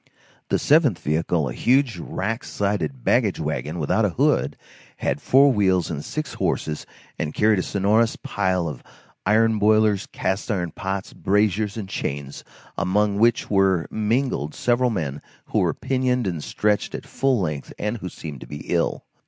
The seventh vehicle, a huge rack sided baggage wagon, without a hood, had four wheels and six horses, and carried a sonorous pile of iron boilers, cast iron pots, braziers, and chains, among which were mingled several men who were pinioned and stretched at full length, and who seemed to be ill.